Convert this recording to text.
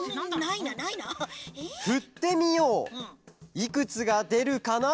いくつがでるかな？